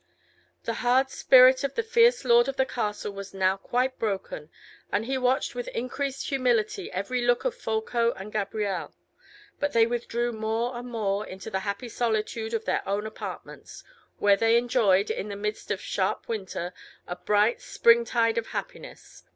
The hard spirit of the fierce lord of the castle was now quite broken, and he watched with increased humility every look of Folko and Gabrielle. But they withdrew more and more into the happy solitude of their own apartments, where they enjoyed, in the midst of the sharp winter, a bright spring tide of happiness.